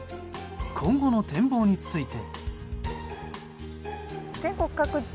今後の展望について。